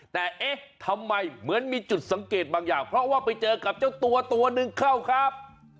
แต่เอ๊ะทำไมเหมือนมีจุดสังเกตบางอย่างเพราะว่าไปเจอกับเจ้าตัวตัวหนึ่งเข้าครับ